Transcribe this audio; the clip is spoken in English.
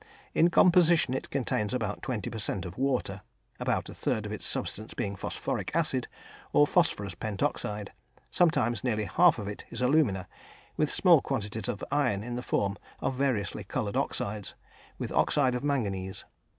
In composition it contains about 20 per cent. of water, about a third of its substance being phosphoric acid, or phosphorus pentoxide; sometimes nearly half of it is alumina, with small quantities of iron in the form of variously coloured oxides, with oxide of manganese.